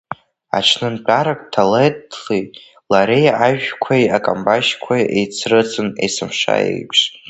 Аҽнынтәарак Ҭелеҭи лареи ажәқәеи акамбашьқәеи еицрыцын есымша еиԥш.